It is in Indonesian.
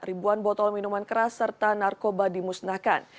ribuan botol minuman keras serta narkoba dimusnahkan